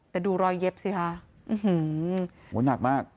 แต่ดูรอยเย็บสิค่ะหนักมาก